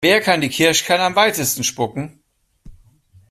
Wer kann die Kirschkerne am weitesten spucken?